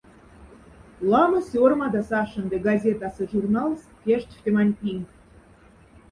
Лама сёрмада сашенды газетас и журналс тяштьфтемань пингть.